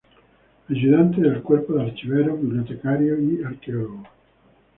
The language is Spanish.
Ayudante del Cuerpo de Archiveros, Bibliotecarios y Arqueólogos.